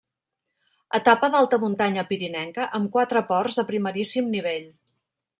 Etapa d'alta muntanya pirinenca, amb quatre ports de primeríssim nivell.